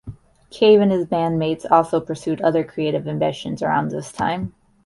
Cave and his bandmates also pursued other creative ambitions around this time.